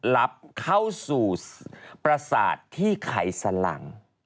รับเข้าสู่ประสาทที่ไขสลัง